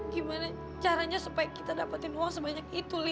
gimana caranya supaya kita dapetin uang sebanyak itu